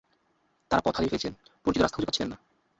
তারা পথ হারিয়ে ফেলেছিলেন, পরিচিত রাস্তা খুঁজে পাচ্ছিলেন না।